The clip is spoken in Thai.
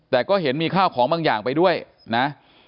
แต่ก็เห็นมีข้าวของบางอย่างไปด้วยนะ